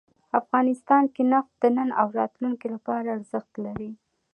افغانستان کې نفت د نن او راتلونکي لپاره ارزښت لري.